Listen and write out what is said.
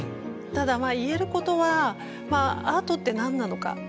ただまあ言えることは「アートって何なのか？」。